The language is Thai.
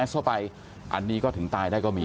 อยู่ดีมาตายแบบเปลือยคาห้องน้ำได้ยังไง